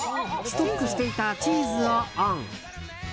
ストックしていたチーズをオン。